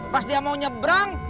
pas dia mau nyebrang